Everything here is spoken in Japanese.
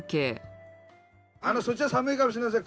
あのそっちは寒いかもしれません。